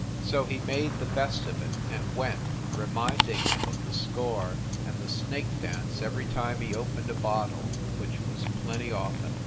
So he made the best of it and went, reminding them of the score and the snake dance every time he opened a bottle, which was plenty often.